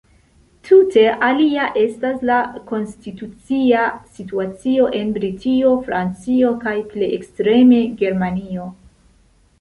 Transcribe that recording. Tute alia estas la konstitucia situacio en Britio, Francio kaj plej ekstreme Germanio.